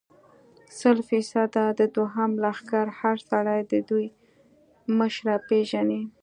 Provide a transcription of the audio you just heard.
سل فیصده، د دوهم لښکر هر سړی د دوی مشره پېژني.